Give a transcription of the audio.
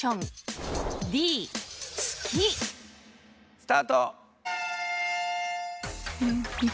スタート！